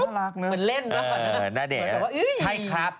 น่าเดทก็เล่าหน่อยว่าใช่ครับ